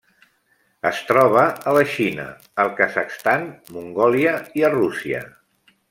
Es troba a la Xina, el Kazakhstan, Mongòlia i a Rússia.